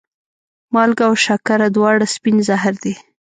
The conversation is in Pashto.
مالګه او شکره دواړه سپین زهر دي.